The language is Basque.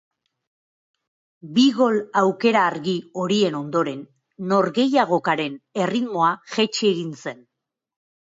Bi gol aukera argi horien ondoren norgehiagokaren erritmoa jaitsi egin zen.